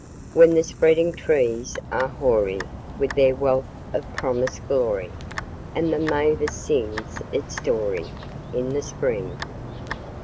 When the spreading trees are hoary With their wealth of promised glory, And the mavis sings its story, In the spring.